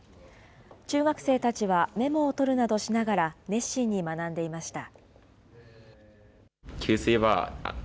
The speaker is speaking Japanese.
中学生たちはメモを取るなどしながら、熱心に学んでいました。